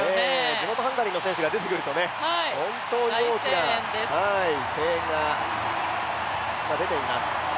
地元ハンガリーの選手が出てくると本当に大きな声援が出ています。